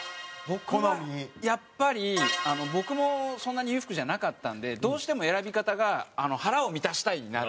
僕はやっぱり僕もそんなに裕福じゃなかったんでどうしても選び方が腹を満たしたいになるんですよね。